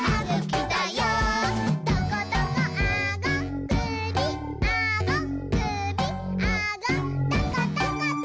「トコトコあごくびあごくびあごトコトコト」